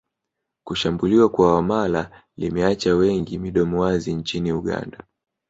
Kushambuliwa kwa Wamala limeacha wengi midomo wazi nchini Uganda